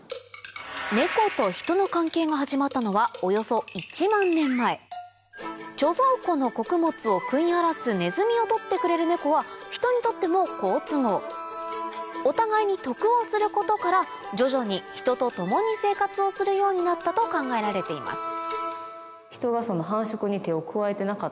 ネコとヒトの関係が始まったのはおよそ１万年前貯蔵庫の穀物を食い荒らすネズミを捕ってくれるネコはヒトにとっても好都合お互いに得をすることから徐々にヒトと共に生活をするようになったと考えられています